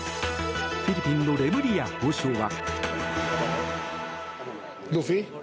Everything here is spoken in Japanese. フィリピンのレムリヤ法相は。